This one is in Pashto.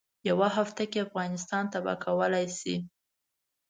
یوه هفته کې افغانستان تباه کولای شي.